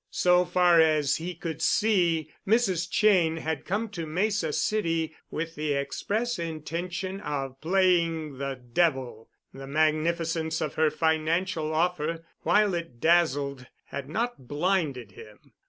So far as he could see, Mrs. Cheyne had come to Mesa City with the express intention of playing the devil. The magnificence of her financial offer, while it dazzled, had not blinded him.